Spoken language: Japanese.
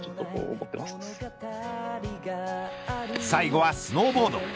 最後はスノーボード。